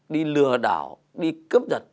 đi lừa đảo đi cướp giật